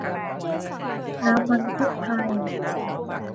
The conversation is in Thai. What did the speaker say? น้ำมันพืชไทย